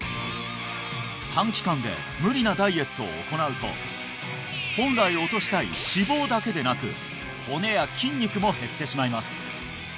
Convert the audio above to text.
短期間で無理なダイエットを行うと本来落としたい脂肪だけでなく骨や筋肉も減ってしまいます